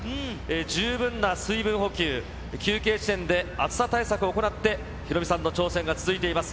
十分な水分補給、休憩地点で暑さ対策を行って、ヒロミさんの挑戦が続いています。